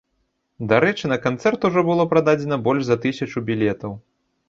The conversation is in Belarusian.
Дарэчы, на канцэрт ужо было прададзена больш за тысячу білетаў.